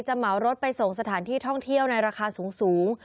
เหมารถไปส่งสถานที่ท่องเที่ยวในราคาสูง